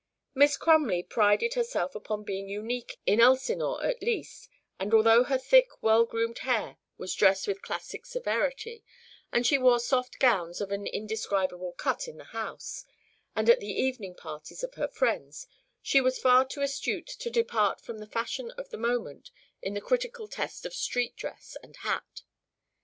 Miss Crumley prided herself upon being unique in Elsinore, at least, and although her thick well groomed hair was dressed with classic severity, and she wore soft gowns of an indescribable cut in the house, and at the evening parties of her friends, she was far too astute to depart from the fashion of the moment in the crucial test of street dress and hat.